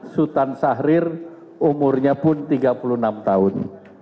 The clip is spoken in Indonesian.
sultan syahrir umurnya pun tiga puluh enam tahun